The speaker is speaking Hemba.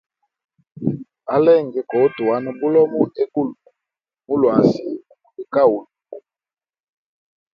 Alenge kohutuwana bulomo egulu, mulwasi muli kahulu.